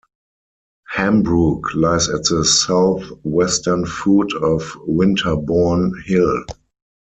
Hambrook lies at the south-western foot of Winterbourne Hill.